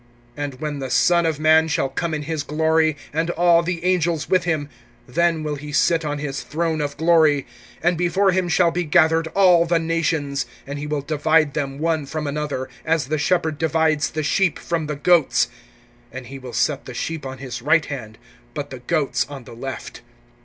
(31)And when the Son of man shall come in his glory, and all the angels with him, then will he sit on his throne of glory. (32)And before him shall be gathered all the nations; and he will divide them one from another, as the shepherd divides the sheep from the goats. (33)And he will set the sheep on his right hand, but the goats on the left.